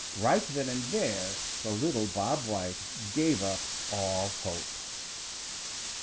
Right then and there the little Bob White gave up all hope. XX.